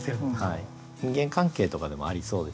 人間関係とかでもありそうですしね。